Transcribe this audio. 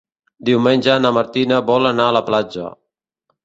Diumenge na Martina vol anar a la platja.